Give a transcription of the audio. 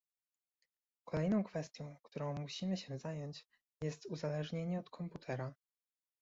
Kolejną kwestią, którą musimy się zająć, jest uzależnienie od komputera